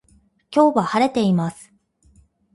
今日は晴れています